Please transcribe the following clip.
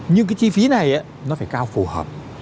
nhưng cái chi phí này nó phải cao phù hợp